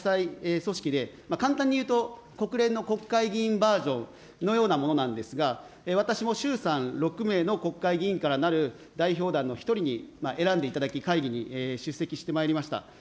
ＩＰＵとは何かというと、世界１７８か国の議会が参加する国際組織で簡単に言うと国連の国会議員バージョンのようなものなんですが、私も衆参６名の国会議員からなる代表団の一人に選んでいただき、会議に出席してまいりました。